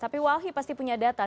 tapi walhi pasti punya data